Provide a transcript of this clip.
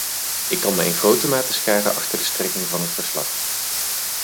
Ik kan mij in grote mate scharen achter de strekking van het verslag.